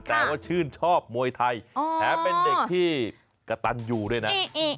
แต่ว่าชื่นชอบมวยไทยแถมเป็นเด็กที่กระตันอยู่ด้วยนะ